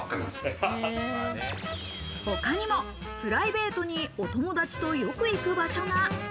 他にもプライベートにお友達とよく行く場所が。